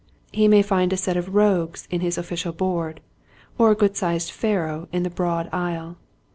He may find a set of rogues in his official board, or a good sized Pharaoh in the broad aisle.